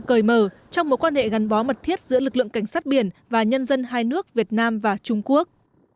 cởi mở trong mối quan hệ gắn bó mật thiết giữa lực lượng cảnh sát biển và nhân dân hai nước việt nam và trung quốc